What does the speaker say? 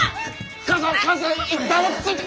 母さん母さん一旦落ち着いて！